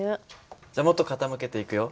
じゃもっと傾けていくよ。